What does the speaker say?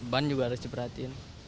ban juga harus diperhatiin